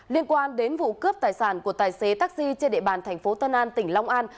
liên quan đến vụ cướp tài sản của tài xế taxi trên địa bàn thành phố tân an tỉnh long an